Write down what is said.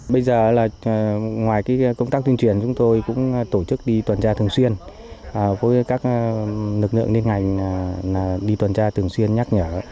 bây giờ là ngoài công tác tuyên truyền chúng tôi cũng tổ chức đi tuần tra thường xuyên với các lực lượng liên ngành đi tuần tra thường xuyên nhắc nhở